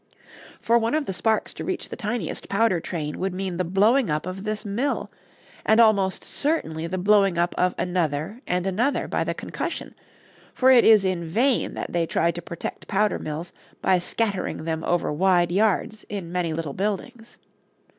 For one of the sparks to reach the tiniest powder train would mean the blowing up of this mill, and almost certainly the blowing up of another and another by the concussion, for it is in vain that they try to protect powder mills by scattering them over wide yards in many little buildings.